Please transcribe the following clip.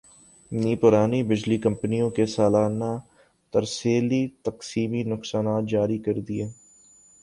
نیپرا نے بجلی کمپنیوں کے سالانہ ترسیلی تقسیمی نقصانات جاری کردیئے